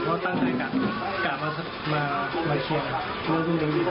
เขาก็ตั้งแต่กลับมาเชียร์นะครับ